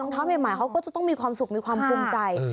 รองเท้าใหม่เขาก็จะต้องมีความสุขต้องมีความกรุงกัย